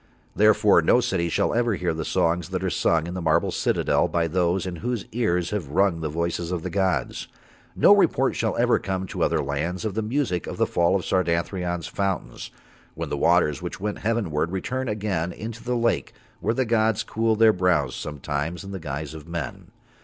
Therefore no city shall ever hear the songs that are sung in the marble citadel by those in whose ears have rung the voices of the gods. No report shall ever come to other lands of the music of the fall of Sardathrion's fountains, when the waters which went heavenward return again into the lake where the gods cool Their brows sometimes in the guise of men.